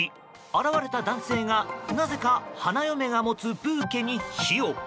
現れた男性がなぜか花嫁が持つブーケに火を。